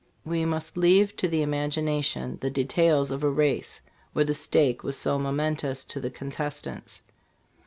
We must leave to the imagination the details of a race where the stake was so momentous to the contestants.